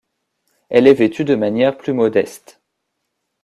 Elle est vêtue de manière plus modeste.